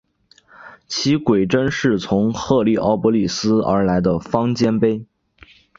其晷针是从赫利奥波利斯而来的方尖碑。